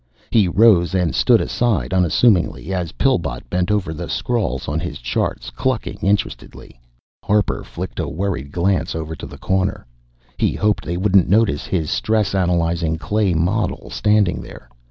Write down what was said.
He rose and stood aside unassumingly, as Pillbot bent over the scrawls on his charts, clucking interestedly. Harper flickered a worried glance over to the corner. He hoped they wouldn't notice his stress analyzing clay model standing there.